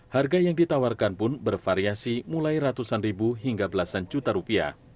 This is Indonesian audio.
harga yang ditawarkan pun bervariasi mulai ratusan ribu hingga belasan juta rupiah